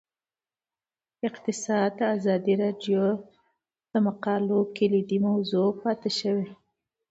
اقتصاد د ازادي راډیو د مقالو کلیدي موضوع پاتې شوی.